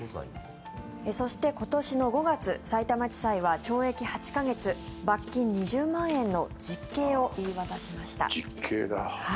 そして、今年の５月さいたま地裁は懲役８か月罰金２０万円の実刑を言い渡しました。